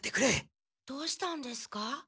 どうしたんですか？